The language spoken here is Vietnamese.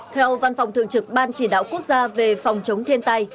theo văn phòng thường trực ban chỉ đạo quốc gia về phòng chống thiên tai